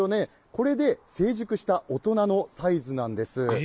これで成熟した大人のサイズなんです。